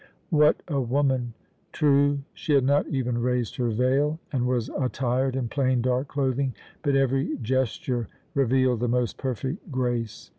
What a woman! True, she had not even raised her veil, and was attired in plain dark clothing, but every gesture revealed the most perfect grace.